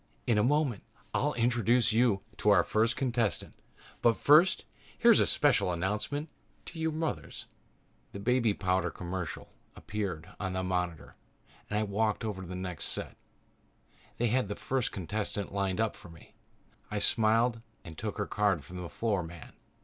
In a moment I'll introduce you to our first contestant. But first here is a special message to you mothers ..." The baby powder commercial appeared on the monitor and I walked over to the next set. They had the first contestant lined up for me. I smiled and took her card from the floor man.